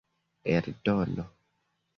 eldono